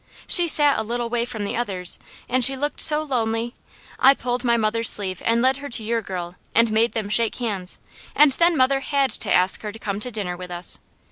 She sat a little way from the others, and she looked so lonely. I pulled my mother's sleeve and led her to your girl and made them shake hands, and then mother HAD to ask her to come to dinner with us.